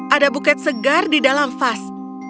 ada buket segar di dalam vas